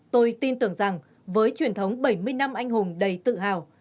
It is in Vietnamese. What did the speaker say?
tôi tin tưởng rằng với truyền thống bảy mươi năm anh hùng đầy tự hào